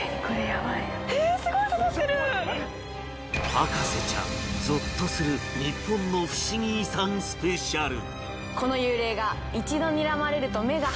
『博士ちゃん』ゾッとする日本のふしぎ遺産スペシャル